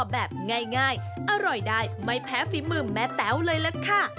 แบบง่ายอร่อยได้ไม่แพ้ฝีมือแม่แต๋วเลยล่ะค่ะ